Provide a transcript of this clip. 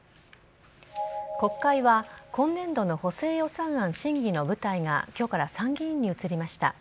国会は今年度の補正予算案審議の舞台が今日から参議院に移りました。